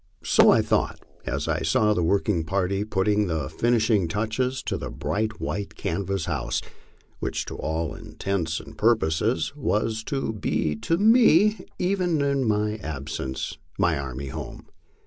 So I thought, as I saw the working party putting the finishing touches to the bright white canvas house, which to all intents and purposes was to be to me, even in absence, my army home.